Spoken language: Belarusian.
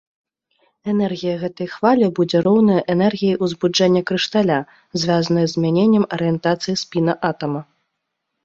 Энергія гэтай хвалі будзе роўная энергіі ўзбуджэння крышталя, звязанай з змяненнем арыентацыі спіна атама.